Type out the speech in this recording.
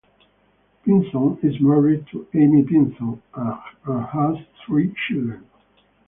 Pinson is married to Amy Pinson and has three children.